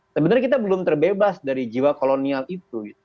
sebenarnya kita belum terbebas dari jiwa kolonial itu